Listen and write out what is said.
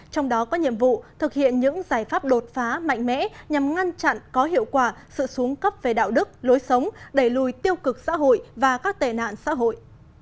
trong đó có nhiệm vụ thực hiện những giải pháp đột phá mạnh mẽ nhằm ngăn chặn có hiệu quả sự xuống cấp về đạo đức lối sống đẩy lùi tiêu cực xã hội và các tệ nạn xã hội